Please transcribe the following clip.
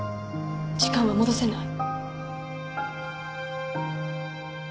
時間は戻せない。